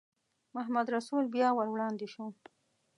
محمدرسول بیا ور وړاندې شو.